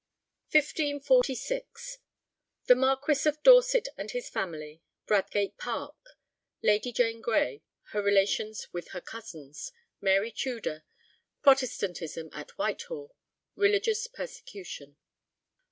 CHAPTER III 1546 The Marquis of Dorset and his family Bradgate Park Lady Jane Grey Her relations with her cousins Mary Tudor Protestantism at Whitehall Religious persecution.